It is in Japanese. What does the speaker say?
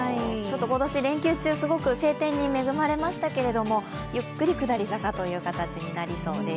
今年、連休中すごく晴天に恵まれましたけどもゆっくり下り坂という形になりそうです。